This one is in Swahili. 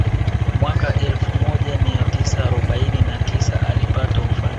Mwaka elfu moja mia tisa arobaini na tisa alipata ufadhili